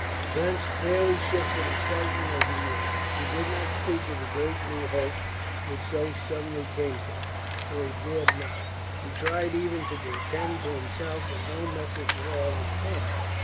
Trench fairly shook with excitement as he walked. He did not speak of the great new hope which so suddenly came to them, for he dared not. He tried even to pretend to himself that no message at all had come.